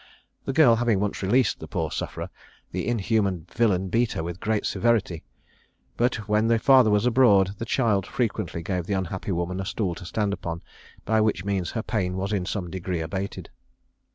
The girl having once released the poor sufferer, the inhuman villain beat her with great severity; but when the father was abroad, the child frequently gave the unhappy woman a stool to stand upon, by which means her pain was in some degree abated.